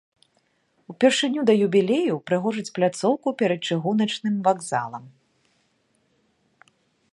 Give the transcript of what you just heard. Упершыню да юбілею ўпрыгожаць пляцоўку перад чыгуначным вакзалам.